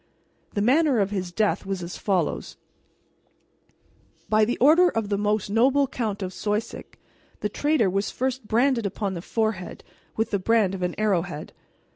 The manner of his death was as follows: By order of the most noble Count of Soisic, the traitor was first branded upon the forehead with the brand of an arrowhead.